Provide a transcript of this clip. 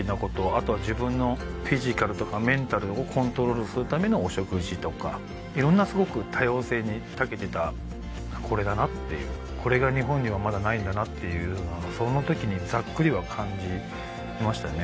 あとは自分のフィジカルとかメンタルをコントロールするためのお食事とかいろんなすごく多様性にたけてたこれだなっていうこれが日本にはまだないんだなっていうのはそのときにざっくりは感じましたね